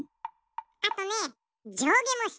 あとねじょうげもしたい！